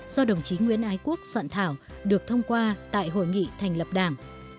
do đồng chí nguyễn ái quốc soạn thảo được thông qua tại hội nghị thành lập đảng